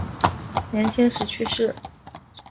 年轻时去世。